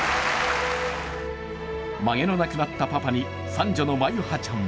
まげのなくなったパパに三女の眞結羽ちゃんは